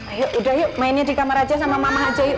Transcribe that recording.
ayo udah yuk mainnya di kamar aja sama mama aja yuk